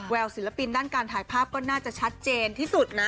ศิลปินด้านการถ่ายภาพก็น่าจะชัดเจนที่สุดนะ